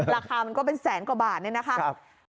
ราคามันก็เป็นแสนกว่าบาทเนี่ยนะคะ